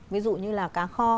ví dụ như là cá kho